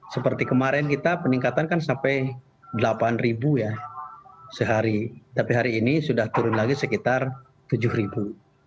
seperti kemarin kita peningkatan kan sampai delapan ribu ya sehari tapi hari ini sudah turun lagi sekitar tujuh ribu